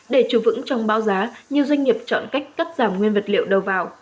để chủ vững trong báo giá nhiều doanh nghiệp chọn cách cắt giảm nguyên vật liệu đầu vào